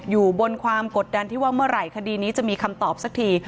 อยู่บนความกดดันที่ว่าเมื่อไหร่คดีนี้จะมีคำตอบสักที